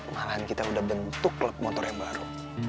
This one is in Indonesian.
malahan kita udah bentuk klub motor yang baru